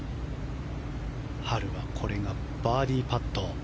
ハルはこれがバーディーパット。